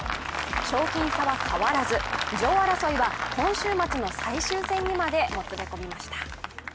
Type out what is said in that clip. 賞金差は変わらず女王争いは今週末の最終戦にまでもつれ込みました。